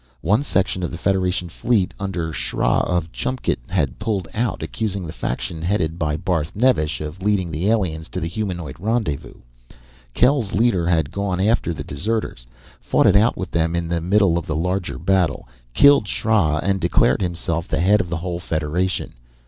One section of the Federation fleet under Sra of Chumkt had pulled out, accusing the faction headed by Barth Nevesh of leading the aliens to the humanoid rendezvous. Kel's leader had gone after the deserters, fought it out with them in the middle of the larger battle, killed Sra, and declared himself the head of the whole Federation.